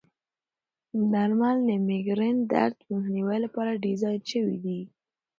درمل د مېګرین درد مخنیوي لپاره ډیزاین شوي دي.